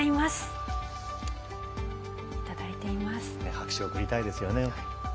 拍手を送りたいですよね。